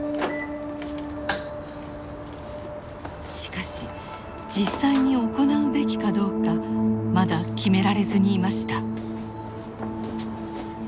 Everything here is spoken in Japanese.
しかし実際に行うべきかどうかまだ決められずにいました。